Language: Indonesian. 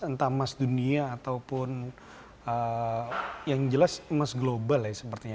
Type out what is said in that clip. entah emas dunia ataupun yang jelas emas global ya sepertinya